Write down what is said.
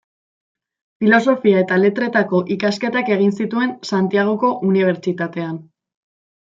Filosofia eta Letretako ikasketak egin zituen Santiagoko Unibertsitatean.